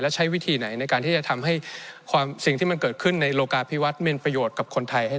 ใช้วิถิไหนในการจะเป็นคนไทยในการจรรจา